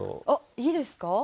あっいいですか？